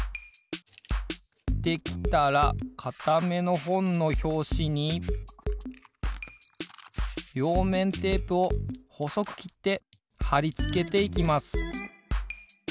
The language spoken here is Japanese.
できたらかためのほんのひょうしにりょうめんテープをほそくきってはりつけていきます。